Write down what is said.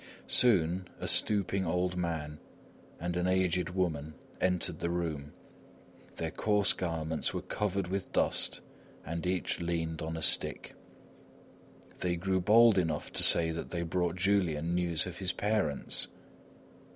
Soon a stooping old man and an aged woman entered the room; their coarse garments were covered with dust and each leaned on a stick. They grew bold enough to say that they brought Julian news of his parents.